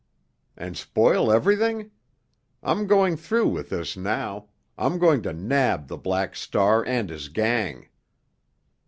"And spoil everything? I'm going through with this now—I'm going to nab the Black Star and his gang."